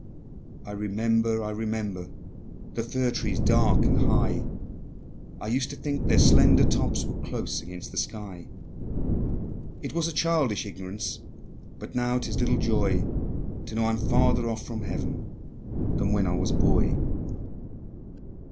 I remember, I remember, The fir trees dark and high; I used to think their slender tops Were close against the sky: It was a childish ignorance, But now 'tis little joy To know I'm farther off from Heav'n Than when I was a boy.